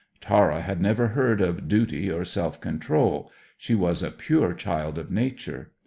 Tara had never heard of duty or self control. She was a pure child of Nature.